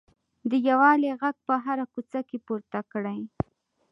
د یووالي غږ په هره کوڅه کې پورته کړئ.